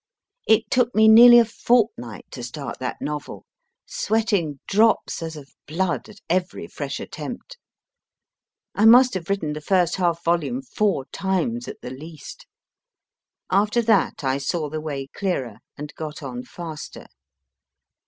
It took me nearly a fortnight to start that novel, sweating drops as of blood at every fresh attempt. I must have written the first half volume four times at the least. After that I saw the way clearer, and got on faster.